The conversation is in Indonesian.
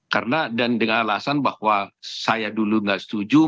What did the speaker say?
karena dan dengan alasan bahwa saya dulu gak setuju